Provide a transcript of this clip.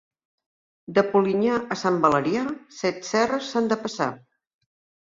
De Polinyà a Sant Valerià set serres s'han de passar.